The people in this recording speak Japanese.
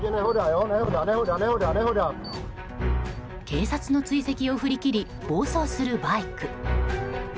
警察の追跡を振り切り暴走するバイク。